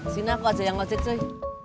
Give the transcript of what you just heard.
sini aku aja yang ngajak cuy